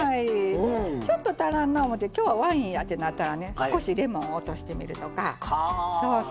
ちょっと足らんなって思って今日はワインやと思ったら少しレモンを足してみるとか。